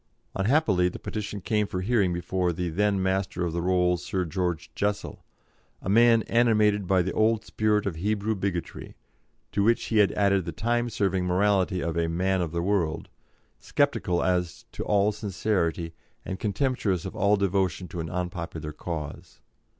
Unhappily, the petition came for hearing before the then Master of the Rolls, Sir George Jessel, a man animated by the old spirit of Hebrew bigotry, to which he had added the time serving morality of a "man of the world," sceptical as to all sincerity, and contemptuous of all devotion to an unpopular cause.